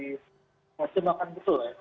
mengakseskan betul ya